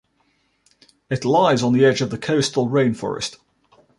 It lies on the edge of the coastal rainforest.